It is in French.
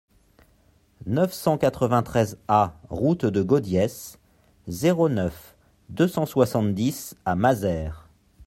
neuf cent quatre-vingt-treize A route de Gaudiès, zéro neuf, deux cent soixante-dix à Mazères